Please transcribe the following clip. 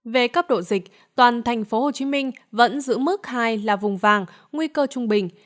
về cấp độ dịch toàn tp hcm vẫn giữ mức hai là vùng vàng nguy cơ trung bình